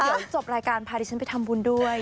เดี๋ยวจบรายการพาดิฉันไปทำบุญด้วย